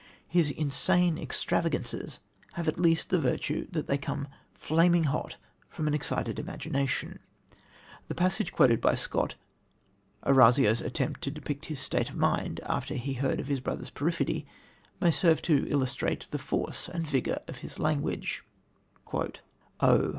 His insane extravagances have at least the virtue that they come flaming hot from an excited imagination. The passage quoted by Scott Orazio's attempt to depict his state of mind after he had heard of his brother's perfidy may serve to illustrate the force and vigour of his language: "Oh!